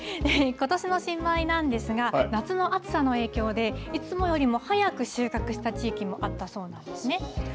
ことしの新米なんですが夏の暑さの影響でいつもよりも早く収穫した地域もあったそうなんですね。